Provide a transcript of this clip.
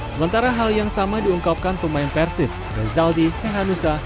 sementara hal yang sama diungkapkan pemain persib rezaldi hehanusa